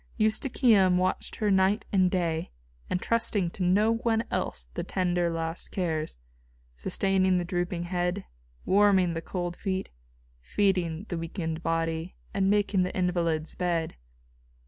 Eustochium watched her night and day, entrusting to no one else the tender last cares sustaining the drooping head, warming the cold feet, feeding the weakened body, and making the invalid's bed.